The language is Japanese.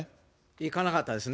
いかなかったですね。